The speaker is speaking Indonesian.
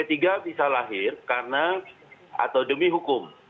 sp tiga lahir karena atau demi hukum